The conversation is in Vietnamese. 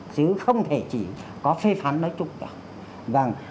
chứ không thể chỉ có phê phán nói chung được